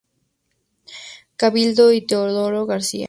Cabildo y Teodoro García.